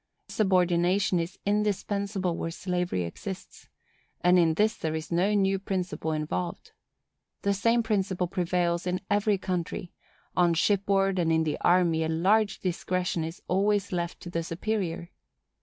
_ Subordination is indispensable where slavery exists; and in this there is no new principle involved. The same principle prevails in every country; on shipboard and in the army a large discretion is always left to the superior.